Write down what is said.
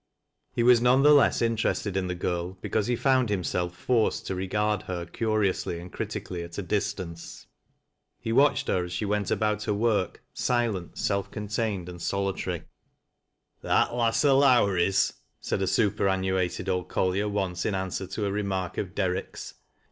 He was none the less interested in the girl because he found himself forced to regard her curiously and criti cally, and at a distance. He watched her as she went iltoit her work, silent, self contained and solitary. " That ^ass o' Lowrie's 1 " said a superannuated old col [ier once, in answer to a remark of Derrick's.